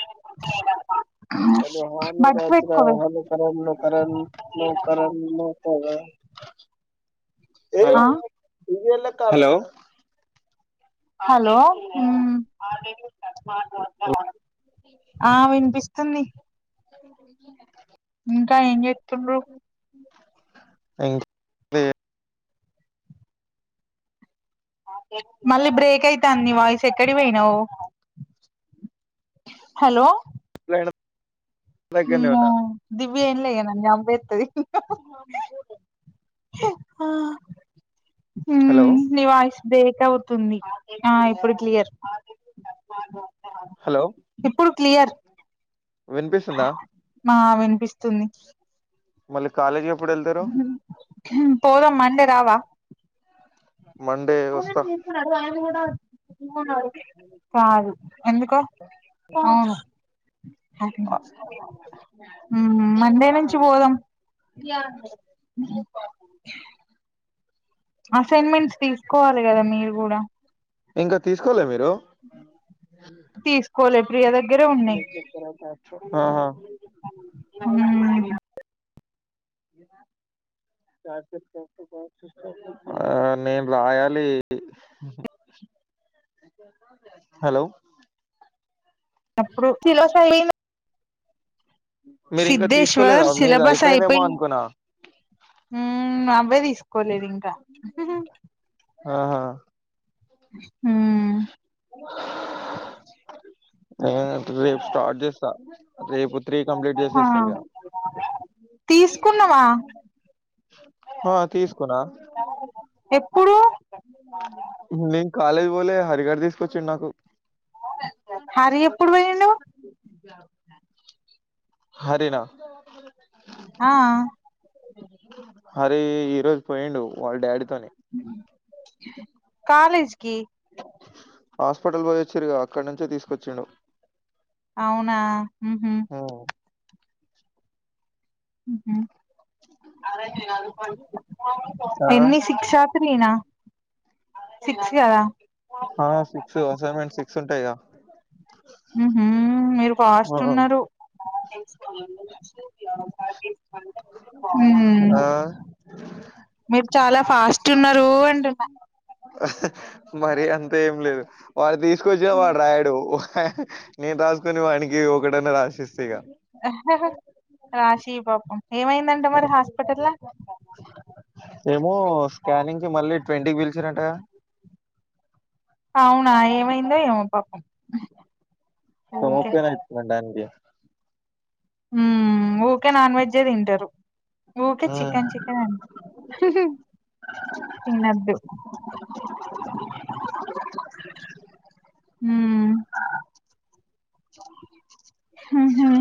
[unintelligible] అ హను బడ్స్ రాతు పెట్టుకోవే హనుకరణకరణకర కదా ఆ హలో హలో ఆ వినిపిస్తుంది [unintelligible] ఇంకా ఏం చెతుండ్రు ఇన్ మళ్ళీ బ్రేక్ అయితాంది వాయిస్ ఎక్కడి పోయినావు హలో లేను ఉమ్ దివ్య ఏం లేదు నన్ను చంపేస్తాది ఆ హలో నీ వాయిస్ బ్రేక్ అవుతుంది ఆ ఇప్పుడు క్లియర్ హలో ఇప్పుడు క్లియర్ వినిపిస్తుందా ఆ వినిపిస్తుంది మళ్ళీ కాలజ్ పోదాం మండే రావా మండే వస్త ఒకసారి అడుగు ఆయనను కూడా కాదు ఎందుకో అవును ఉహు మండే నుంచి పోదాం ఆ అసైన్మెంట్స్ తీసుకోవాలి కదా మీరు కూడా ఇంకా తీసుకోలే మీరు తీసుకోలే ప్రియ దగ్గరే ఉన్నాయి అహ ఉమ్ క్లాస్ చెప్పి ఆ నేను రాయాలి హలో ఎప్పుడూ ఒకే ఎలా సాలీనా మీరు ఇంకా సిధేశ్వర్ తీసుకోలేదా మీది సిలబస్ అయిపోయిందేమో అయిపోయిన్ అనుకున్నా ఉ అవే తీసుకోలేదు ఇన్ ఆహా ఉ ఆ రేపు స్టార్ట్ చేస్తా రేపు త్రీ కంప్లీట్ ఆ చేసేస్త ఇగ తీసుకున్నావా హా తీసుకున్నా ఎప్పుడు ప్చ్ నేను కాలేజీ పోలే హరి గాడు తీసుకొచ్చిండు నాకు హరి ఎప్పుడు పోయిండు హరీ నా ఆ హరి ఈరోజు పోయిండు వాళ్ళ డాడీ తోని కాలేజ్కి హాస్పిటల్ పోయి వచ్చిండ్రుగా అక్కడ నుంచే తీసుకొచ్చిండు అవునా ఉహు ఉమ్. ఆ ఉ ఎన్ని సిక్స్ ఆ త్రీనా సిక్స్ కదా ఆ సిక్స్ అసైన్మెంట్ సిక్స్ ఉంటాయి గా ఉహు మీరు ఫాస్ట్ ఉన్నారు ఉ ఉ ఆ మీరు చాలా ఫాస్ట్ ఉన్నారు అంటున్నా హాహా మరి అంత ఏం లేదు వాడు తీసుకొచ్చిన వాడు రాయడు నేను రాసుకొని వానికి ఒక్కటి అన్నా రాసి ఇస్తా ఇగ హాహా ఆ షి పాపం ఏమై [unintelligible] ఏమో స్కానింగ్ కి మళ్ళీ ట్వంటీ కి పిలిచిండ్రంట కదా అవునా ఏమైందొ ఏమో పాపం ఊకే [unintelligible] నాన్ దియా ఉ యూకే నాన్ వెజ్ ఏయ్ తింటారు ఊకే చికెన్ చిక్ కేన్ హాహా తిన్నదు ఉ హుహు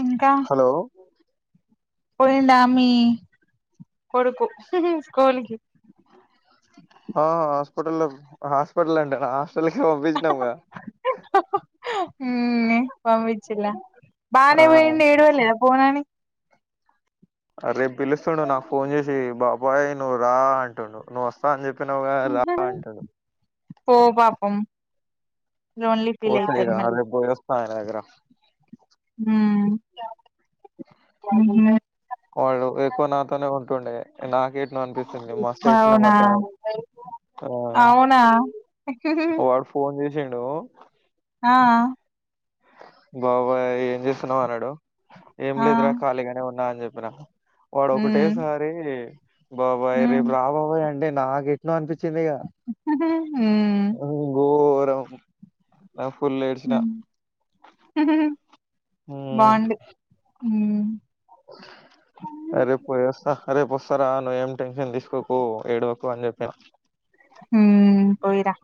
ఉంకా హలో పోయిండా మీ కొరుకు స్కూల్ కి హా హాస్పిటల్ హాస్పిటల్ అంటే నా హాస్టల్ కే పంపించినాము గా హాహా ఉహ్మ్ పంపించిన్ లా బానే పోయిండు ఏడవల పోనని రేపు పిలుస్తాండడు నాకు ఫోన్ చేసి బాబాయ్ నువ్వు రా అంటుండు నువ్వు వస్తా అని చెప్పినావ్ గా రా అంటుండు పో పాపం లోన్లీ ఫీల్ అవుతాడు మళ్లీ ఆ నా దగ్గర రా. ఊ ఊహు. వాళ్ళు ఎక్కువ నాతోనే ఉంటుండే నాకేట్ అనిపిస్తుంది మస్ట్ ఎట్సిన అవునా మధ్యాహ్నం. ఆ అవునా. వాడు ఫోన్ చేసిండు. ఆ. బాబాయ్ ఏం చేస్తున్నావు అన్నాడు ఏం ఆ లేదురా ఖాళీగానే ఉన్నా అని చెప్పిన. వాడు ఉమ్ ఒకటేసారి బాబాయ్ ఉమ్ రేపు రాబాబాయ్ అండి నాకెట్ అనిపిచ్. చిన్నగా ఉమ్ ఘోరం ఫుల్ ఏడ్చిన. ఉమ్. మ్ బాగుంది ఉ. రేపు పోయి వస్తా రేపు వస్తారా నువ్్వ ఏం టెన్షన్ తీసుకోకు ఏడవకు అని చెప్పిన. హ పోయిరా.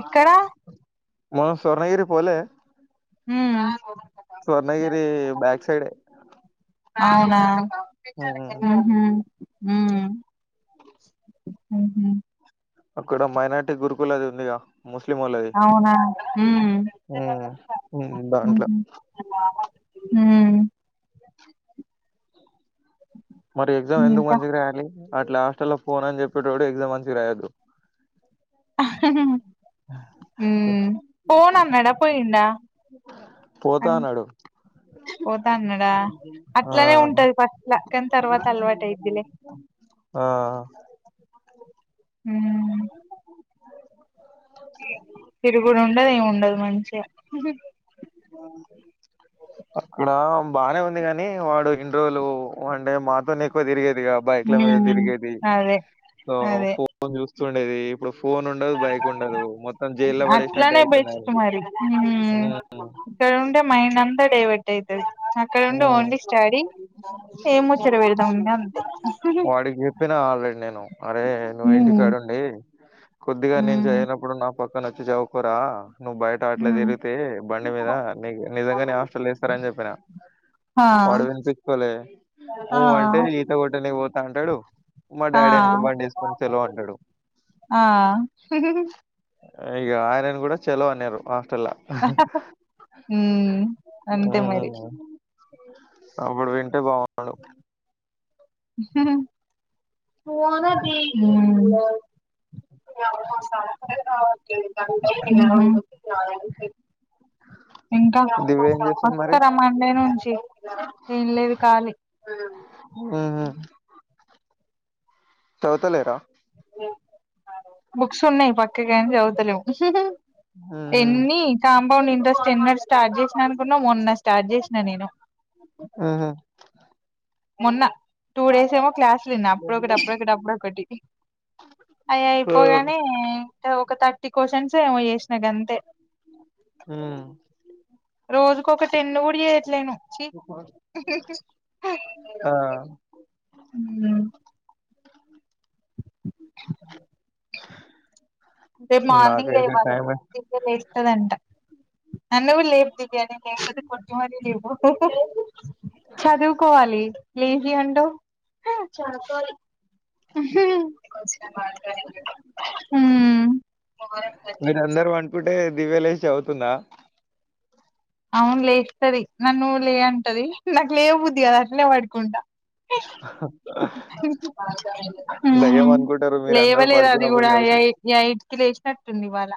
ఎక్కడా మ స్వర్ణగిరి పోలే. ఊ. Swarnagiri back side. ఆయన. మ్ ఉహు. అక్కడ మైనార్టీ గురుకులు అది ఉందిగా. ముస్లిం వాళ్లది అవునా ఉమ్ ఊ దాంట్లో. హ. మరి ఎగ్జామ్ ఎందుకు ఇంకా మంచిగా రాయాలి అట్లా హలాస్ట లో ఫోన్ అని చెప్పేటప్పుడు ఎగ్జామ్ మంచిగా రాయద్దు. పోన్ అన్నాడా పోయిండా. పోతా అన్నాడు పోతా అన్నాడా. ఆ అట్లనే ఉంటది ఫస్ట్ కానీ తర్వాత అలవాటు అయిద్లే. ఆ హ. తిరుగుడు ఉండదు ఏమి ఉండదు మంచిగా. ఆ. అక్కడ బాగానే ఉంది కాగాని వాడు ఇన్ని రోజులు అంటే మాతో ఎక్కువ తిరిగేదిగ. బైక్ల మీద ఉమ్ తిరిగేది అదే సో అదే ఫోన్ చూస్తుండేది ఇప్పుడు ఫోన్ ఉన్. ఉండదు బైక్ ఉండదు మొత్తం జైల్లో పడేసినట్టే అట్లనే అవుతుంది బెస్ట్ ఆయనకి. మరి ఉమ్ ఇక్కడ ఉంటే మైడంతా డైవర్ట్. యితుది అక్కడ ఉండి ఓన్లీ స్టడీ ఏం ముచ్చర పెడదాని అంతే. వాడికి చెప్పినా ఆల్రెడీ నేను అరే నువ్వు ఉమ్ ఇంటికాడుండి కొద్దిగా నేను ఉమ్ చేయనప్పుడు నా. పక్కన వచ్చి జావుకోరా నువ్ బయట్. అట్లా ఉమ్ తిరిగితే బండి మీద ని నిజంగానే హాస్టల్ వేస్తార అని చెప్పిన. ఆ వాడు వినిపించుకోలే ఆ మూవ్ అంటే ఈత కొట్ట న పోతా అంటాడు. మా ఆ డాడీ ఎనక బండిసుకొని చలో అంటడు. ఆ ఇక ఆయనన్ కూడా చెెలో అన్నారు హాస్టల్. ఉ అంతే మరి. ఉమ్ అప్పుడు వింటే బాగున్డు. హ ఉ. ఉహు. ఇంకా దివ్య ఏం చేస్తుంది మరి వస్తారా మండే నుంచి ఏం లేదు ఖాళీ ఊహ్ చవుతలేరా ఓ బుక్స్ ఉన్నాయి పక్క కానీ చవుతలేము ఉహు. ఎన్ని కాంపౌండ్ ఇంట్రస్ట్ ఎన్నడు స్టార్ట్ చేసినానుకున్నా మొన్న స్టార్ట్ చేసినా నేను ఆహా మొన్న టూ డేస్ ఏమో క్లాసులు ఉన్నాయి అప్పుడొకటి అప్పుడొకటి అప్పుడొకటి అయి ఆ. అయిపోగానే ఇంకా ఒక థర్టీ క్వశ్చన్స్ ఏమో చేసినా గ అంతే హ రోజుకొక టెన్ను కూడా చేయట్లేను చి ఆ హ రేప్ మార్నింగ్ నాకైతే లేవాలే టైం లేస్తదంటా నన లే బిర్యానీ లే కొద్ది మరి లేవు చదువుకోవాలి లేజ్ అంటావ్ చదువుకోల మ్మ్ [inaudible] మీరందరూ పడుకుంటే దివ్యలేసి చదువుతుందా అవును లేస్తది నన్ను లే అంటది నాకు లే బుద్ది కదా అట్లే పడుకుంటా దెయ్యం అనుకుంటారు మీరందరూ లేవలేదు అది పడుకున్నప్పుడు కూడా అ చదివితే. ఏయ్టికి లేేసినట్టుంది ఇవాళ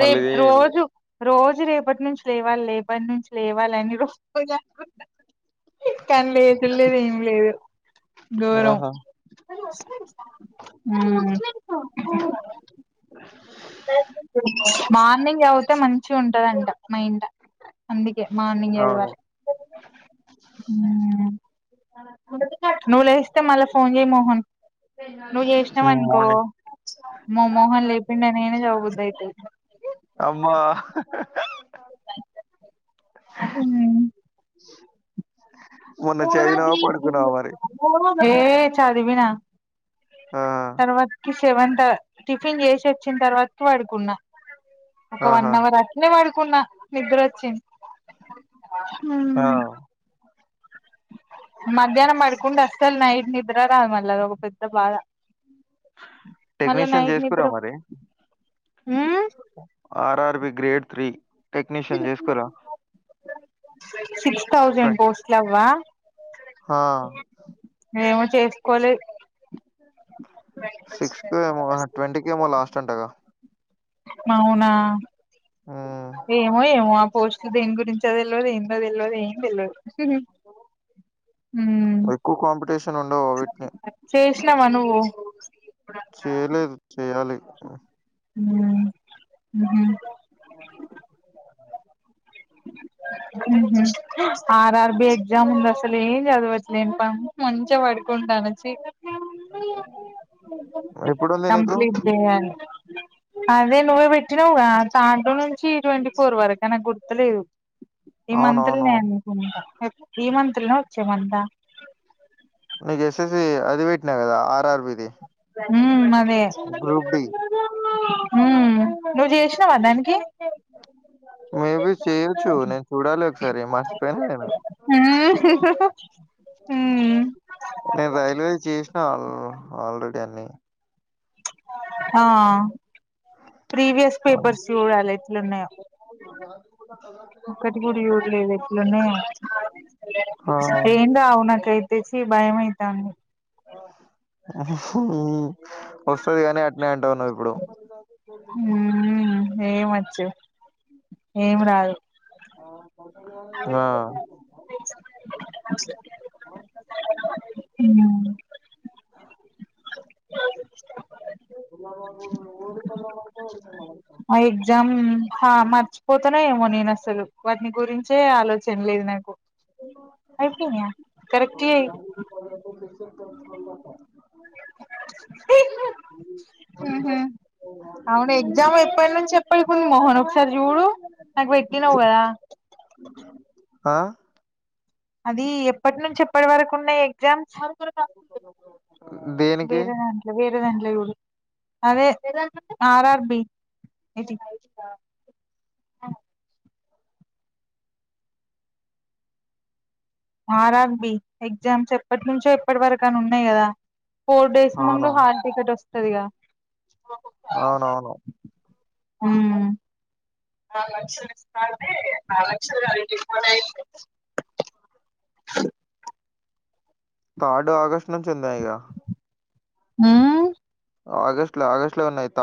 మళ్ళీ రేపు రోజు రోజు రేపటి నుంచి లేవాలి లేేపటి నుంచి లేవాలిని రోజు కానీ లేసింది లేదు ఏం లేదు ఘోరం ఆహా! అ మార్నింగ్ చదివితే మంచిగుంటదంట మా ఇంట అందుకే మార్నింగ్ అవును. చదవాలె ఉమ్ నువ్ లేస్తే మళ్ళీ ఫోన్ చేయి మోహన్ నువ్ హ్మ్. చేసినావనుకో మార్నింగ్ అమ్మ మోహన్ లేపిండని నేనే చదవబుద్ది అయితది అమ్మా ఉమ్ [inaudible] మొన్న చదివినవా పడకునావా మరి ఏ చదివినా ఆ! తర్వాతకి సెవంత టిఫిన్ చేసి వచ్చిన తర్వాత వడుకున్న ఒక వన్ ఆహా! అవర్ నే పడుకున్నా నిద్ద్ర వచ్చింది ఆ మధ్యాహ్నం పడుకుంటే అస్సలు నైట్ నిద్ర రాదు మళ్ళీ అ ఒక పెద్ద బాధ మళ్ళా టెక్నీషియన్ నైట్ నిద్ర జేసుకోరా ఉమ్ ఆర్ఆర్బి గ్రేడ్ త్రీ టెక్నీషియన్ చేసుకోరా సిక్స్ థౌసండ్ పోస్ట్లవ్వ హా ఏమో చేసుకోవలే సిక్స్కి ఏమో ట్వంటీ కేమో లాస్ట్ అంటగా అవునా హ్మ్. ఏమో ఏమో [unintelligible] దేం గురించో తెల్వదు ఏం తెల్దదు ఏం తెల్లదు ఎక్కువ కాంపిటీషన్ ఉండవు వీటిని చేసినవా నువ్వు చేయలేదు చేయాలి హ్మ్ ఊహూ వామ్మో రేయ్ ఊహూ ఆర్ఆర్ బి ఎగ్జామ్ ఉంది అసలు ఏం చదవట్లే ఇంక మంచిగా పడుకుంటా నుంచి ఎప్పుడుంది నీకు? కంప్లీట్ అదే నువ్వే పెట్టినవ్ గా థర్డ్ నుంచి ట్వేంటీఫోర్ వరకు అనే గుర్ తు లేదు ఈ మంత్ అవునవును. లోనే అనుకుంటా ఈ మంతా వచ్చే మంతా ఇది ఎస్ఎస్సి అది పెట్టినా కదా ఆర్ఆర్ బి ది హ్మ్అవే హ్మ్ నువ్వు చేసినవా దానికి మేబి చేయొచ్చు నేను చూడాలి ఒకసారి మరిచిపోయినా నేను హూ హాహా నేను రైల్వే చేసినను ఆల్రెడీ అన్ని ఆ ప్రీవియస్ పేపర్స్ చూడాలి ఎట్లా ఉన్నాయో ఒక్కటి కూడా చూడలేదు ఎట్లా ఉన్నాయో ఆ! ఏం రావు నాకైతే ఛీ బయమైతంది వస్తాయి కానీ అటనే అంటావు నువ్వు ఇప్పుడు [unintelligible] హూ హూ ఏమి వచ్చు ఏం రాదు ఆ ఓ ఉమ్ [unintelligible] ఆ ఎగ్జామ్ హా మార్చిపోతానో ఏమో నేను అసలు వాటిని గురించే ఆలోచన లేదు నాకు అయిపోయినాయ కరెక్ట్ వేయి [unintelligible] ఫోన్ నెంబర్ ఊహు అవును ఎగ్జామ్ ఎప్పటి నుంచి అటువైపు మోహన్ ఒకసారి చూడు నాకు పెట్టినావ్ కదా ఆ అది ఎప్పటి నుంచి ఎప్పటి వరకు ఉన్నాయి ఎగ్జామ్స్ దేనికి వేరే దాంట్లో వేరే దాంట్లో పోకు అదే RR B RR B exams ఎప్పటి నుంచో ఎప్పటి వరకు అని ఉన్నాయి కదా ఫోర్ డేస్ అవును. ముందు హాల్ టికెట్ వస్తదిగా అవునవును హ్మ్ నాలుగు లక్షలు ఇస్తానే ఆ లక్షలు కాదు ఇంటి పని అయింది హలో థర్డ్ ఆగస్టు నుంచి ఉన్నాయిగా [inaudible] ఆగస్ట్ లో ఆగస్ట్ లో ఉన్నాయి తా